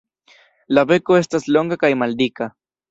La beko estas longa kaj maldika.